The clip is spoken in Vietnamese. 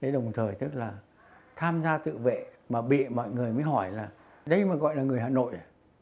đồng thời tức là tham gia tự vệ mà bị mọi người mới hỏi là đây mà gọi là người hà nội